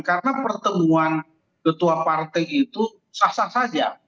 karena pertemuan ketua partai itu sah sah saja